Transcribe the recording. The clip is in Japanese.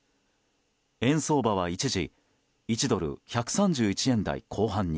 円相場は一時１ドル＝１３１円台後半に。